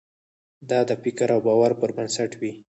دا د فکر او باور پر بنسټ وي.